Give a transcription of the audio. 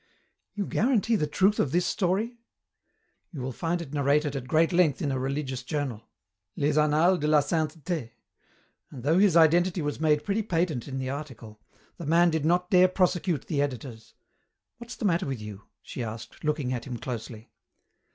"You guarantee the truth of this story?" "You will find it narrated at great length in a religious journal. Les annales de la sainteté. And though his identity was made pretty patent in the article, the man did not dare prosecute the editors. What's the matter with you?" she asked, looking at him closely.